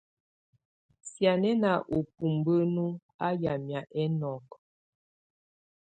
Sianɛna u bubǝ́nu á yamɛ̀á ɛnɔkɔ.